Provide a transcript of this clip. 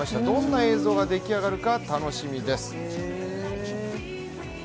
どんな映像ができ上がるか楽しみです。